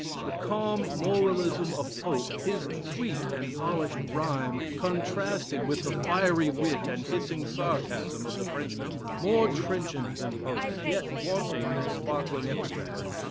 The calm moralism of Pope, his sweet and polished rhyme, contrasted with the fiery wit and hissing sarcasm of the Frenchman, more trenchant than Pope's, yet wanting his sparkling epigrams.